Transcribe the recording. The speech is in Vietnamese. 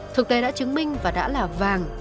thực tế đã chứng minh và đã là vàng